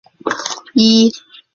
丹老为该县之首府。